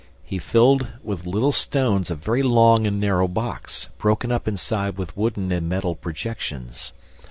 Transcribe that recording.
He filled with little stones a very long and narrow box, broken up inside with wooden and metal projections.